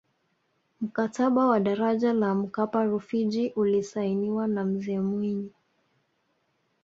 mkataba wa daraja la mkapa rufiji ulisainiwa na mzee mwinyi